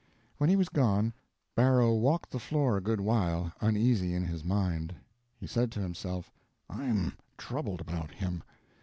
When he was gone, Barrow walked the floor a good while, uneasy in his mind. He said to himself, "I'm troubled about him.